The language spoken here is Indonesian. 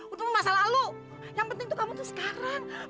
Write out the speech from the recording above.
untuk masalah lu yang penting kamu sekarang